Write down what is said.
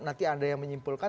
nanti anda yang menyimpulkan